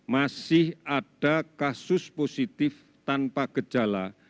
masih ada kasus positif tanpa gejala